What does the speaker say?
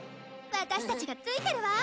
ワタシたちがついてるわ！